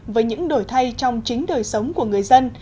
với những đổi thay trong chính đời sống của người dân